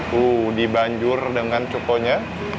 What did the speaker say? wuh dibanjur dengan cukonya